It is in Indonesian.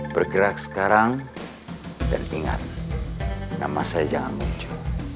bergerak sekarang dan ingat nama saya jangan muncul